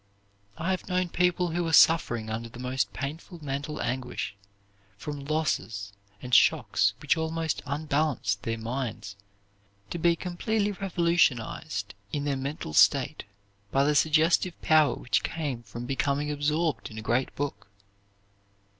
I have known people who were suffering under the most painful mental anguish, from losses and shocks which almost unbalanced their minds, to be completely revolutionized in their mental state by the suggestive power which came from becoming absorbed in a great book.